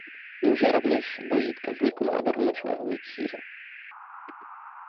Může rovněž dojít ke vzniku nádorů močového měchýře.